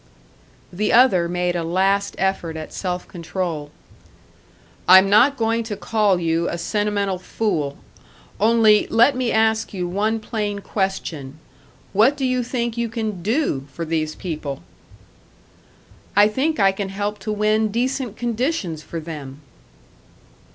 The other made a last effort at self control. "I'm not going to call you a sentimental fool. Only, let me ask you one plain question. What do you think you can do for these people?" "I think I can help to win decent conditions for them."